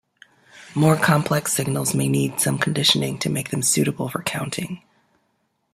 More complex signals may need some conditioning to make them suitable for counting.